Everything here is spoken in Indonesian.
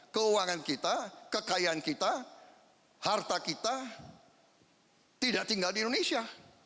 keuangan kita kekayaan kita harta kita tidak tinggal di indonesia